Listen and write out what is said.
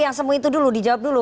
yang semu itu dulu dijawab dulu